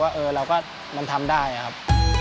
พอตั้งใจทำเรารู้สึกว่าเราก็ทำได้ครับ